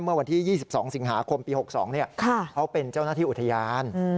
เมื่อวันที่๒๒สิงหาคมปี๖๒เขาเป็นเจ้าหน้าที่อุทยาน